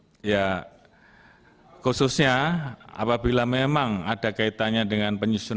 jadi ya khususnya apabila memang ada kaitannya dengan penyusunan